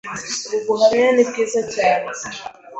ubu buhamya ni bwiza cyane.